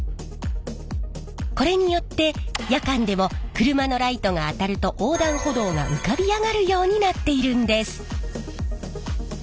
これによって夜間でも車のライトが当たると横断歩道が浮かび上がるようになっているんです。